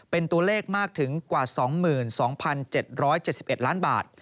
เป็นตัวเลขมากถึงกว่า๒๒๗๗๑ล้านบาท